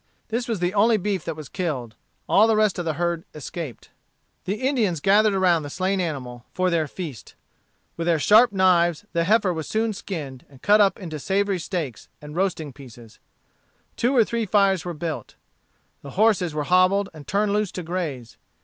This was the only beef that was killed. All the rest of the herd escaped. The Indians gathered around the slain animal for their feast. With their sharp knives the heifer was soon skinned and cut up into savory steaks and roasting pieces. Two or three fires were built. The horses were hobbled and turned loose to graze.